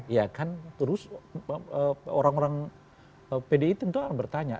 ya kan terus orang orang pdi tentu akan bertanya